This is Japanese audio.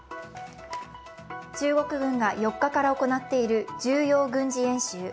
中国軍が４日から行っている重要軍事演習。